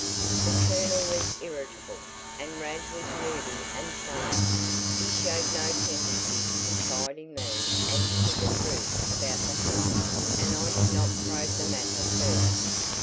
The Colonel was irritable, and Rad was moody and sullen. He showed no tendency to confide in me as to the truth about the ha'nt, and I did not probe the matter further.